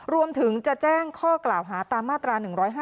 รวมถึงจะแจ้งข้อกล่าวหาตามมาตรา๑๕